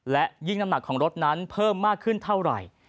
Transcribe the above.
และยิ่งน้ำหนักของรถนั้นเพิ่มมากขึ้นเท่าไหร่